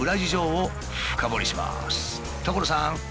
所さん！